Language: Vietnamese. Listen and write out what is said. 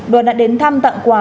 đoàn đã đến thăm tặng quà